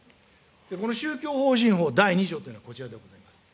この宗教法人法第２条というのはこちらでございます。